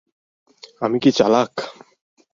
আমি কি চালাক।